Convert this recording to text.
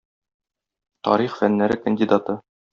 Тарих фәннәре кандидаты.